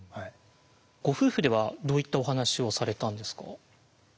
ご夫婦ではどういったお話をされたんですか？